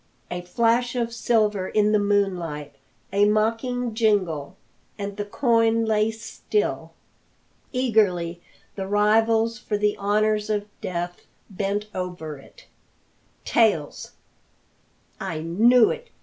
A flash of silver in the moonlight, a mocking jingle, and the coin lay still. Eagerly the rivals for the honours of death bent over it. "Tails!" "I knew it!"